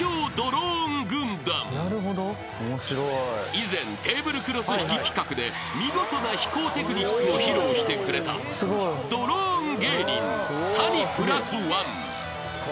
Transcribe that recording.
［以前テーブルクロス引き企画で見事な飛行テクニックを披露してくれたドローン芸人谷＋１。］